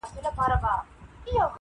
حجرې ته یم راغلې طالب جان مي پکښي نسته-